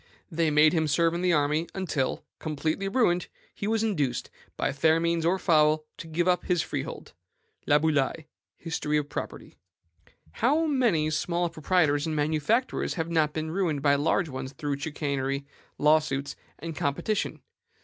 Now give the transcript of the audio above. They made him serve in the army until, completely ruined, he was induced, by fair means or foul, to give up his freehold." Laboulaye: History of Property. How many small proprietors and manufacturers have not been ruined by large ones through chicanery, law suits, and competition?